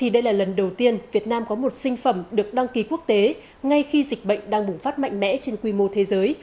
đây là lần đầu tiên việt nam có một sinh phẩm được đăng ký quốc tế ngay khi dịch bệnh đang bùng phát mạnh mẽ trên quy mô thế giới